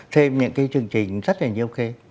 thêm những cái chương trình rất là nhiều kế